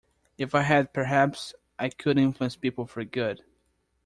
If I had perhaps I could influence people for good.